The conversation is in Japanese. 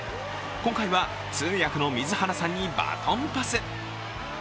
今回は通訳の水原さんにバトンパス。